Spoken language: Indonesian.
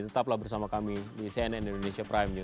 tetaplah bersama kami di cnn indonesia prime news